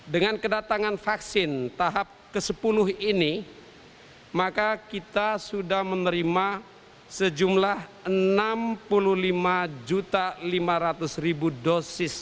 dengan kedatangan vaksin tahap ke sepuluh ini maka kita sudah menerima sejumlah enam puluh lima lima ratus dosis